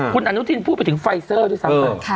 คุณอนุทินพูดไปถึงไฟเซอร์ที่สำหรับ